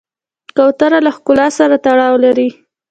کوتره له ښکلا سره تړاو لري.